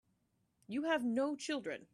You have no children.